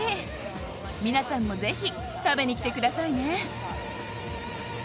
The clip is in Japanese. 皆さんもぜひ食べに来てくださいね。